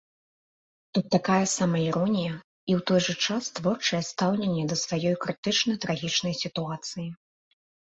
Тут такая самаіронія, і ў той жа час творчае стаўленне да сваёй крытычна-трагічнай сітуацыі.